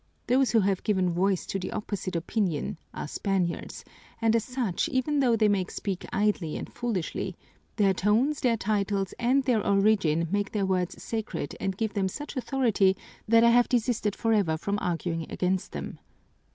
Those who have given voice to the opposite opinion are Spaniards, and as such, even though they may speak idly and foolishly, their tones, their titles, and their origin make their words sacred and give them such authority that I have desisted forever from arguing against them.